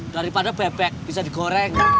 daripada bebek bisa digoreng